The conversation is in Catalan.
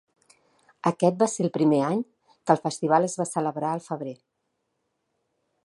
Aquest va ser el primer any que el festival es va celebrar al febrer.